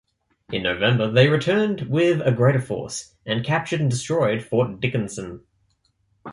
In November, they returned with a greater force and captured and destroyed Fort Dickinson.